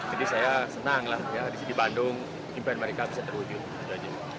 jadi saya senang lah di sini bandung impian mereka bisa terwujud